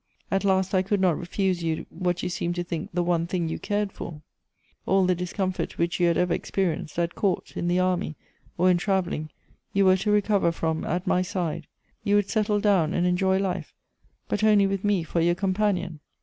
At last I could not refuse you what you seemed to think the one thing you cared for. All the discomfort which you had ever experienced, at court, in the army, or in travelling, you were to recover from at my side; you would settle down and enjoy life; but only with me for j'our companion.